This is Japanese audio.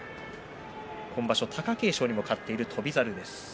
今場所は貴景勝にも勝っている翔猿です。